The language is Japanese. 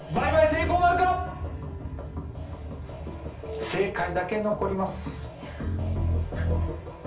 正解だけ残ります